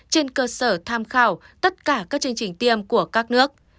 trên cơ sở tham khảo tất cả các chương trình tiêm của các nước